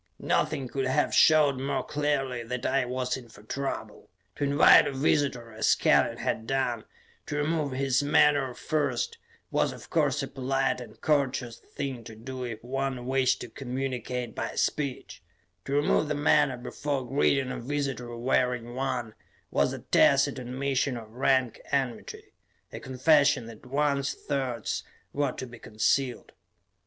Nothing could have showed more clearly that I was in for trouble. To invite a visitor, as Kellen had done, to remove his menore first, was, of course, a polite and courteous thing to do if one wished to communicate by speech; to remove the menore before greeting a visitor wearing one, was a tacit admission of rank enmity; a confession that one's thoughts were to be concealed.